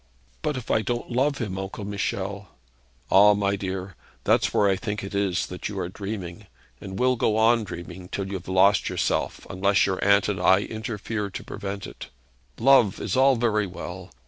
'But if I don't love him, Uncle Michel?' 'Ah, my dear; that's where I think it is that you are dreaming, and will go on dreaming till you've lost yourself, unless your aunt and I interfere to prevent it. Love is all very well.